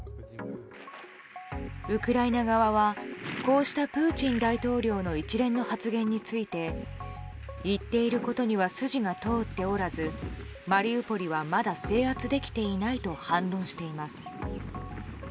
ウクライナ側はこうしたプーチン大統領の一連の発言について言っていることには筋が通っておらずマリウポリは、まだ制圧できていないと反論しています。